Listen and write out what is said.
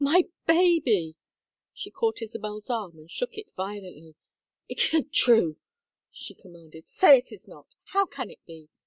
"My baby!" She caught Isabel's arm and shook it violently. "It isn't true," she commanded. "Say it is not. How can it be?